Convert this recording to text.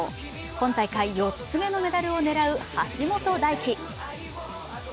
今大会４つ目のメダルを狙う橋本大輝。